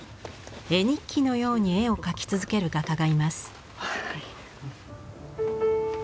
絵日記のように絵を描き続ける画家がいます。